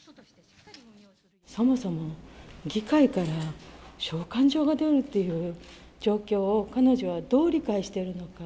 そもそも議会から召喚状が出るっていう状況を彼女はどう理解